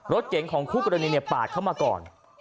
รถเก๋งของคู่กรณีปาดเข้ามาก่อน